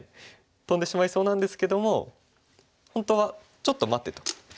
トンでしまいそうなんですけども本当は「ちょっと待て」と。